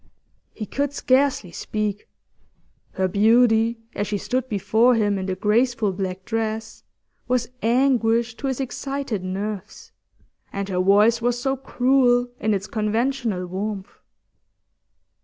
He could scarcely speak; her beauty, as she stood before him in the graceful black dress, was anguish to his excited nerves, and her voice was so cruel in its conventional warmth.